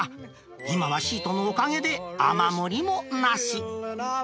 今はシートのおかげで、雨漏りもなし。